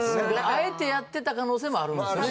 あえてやってた可能性もあるんですね